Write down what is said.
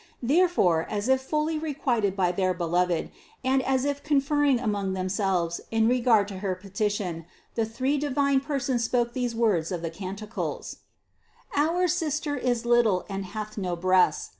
Therefore, as if fully requited by their beloved, and as if conferring among Themselves in regard to her peti tion, the three divine Persons spoke those words of the Canticles: "Our sister is little and hath no breasts.